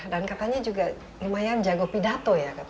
katanya juga lumayan jago pidato ya